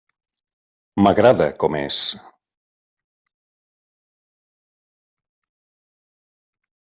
M'agrada com és.